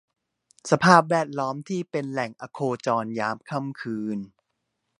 สภาพแวดล้อมที่เป็นแหล่งอโคจรยามค่ำคืน